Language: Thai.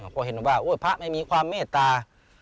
พอเห็นว่าพระไม่มีความเมตตา